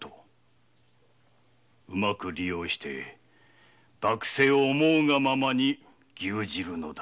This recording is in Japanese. うまく利用して幕政を思うがままに牛耳るのだ。